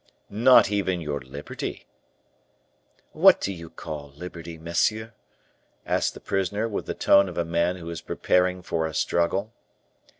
"Not even your liberty?" "What do you call liberty, monsieur?" asked the prisoner, with the tone of a man who is preparing for a struggle.